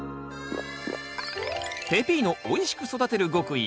ペピーノおいしく育てる極意